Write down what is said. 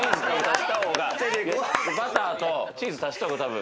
バターとチーズ足した方がたぶん。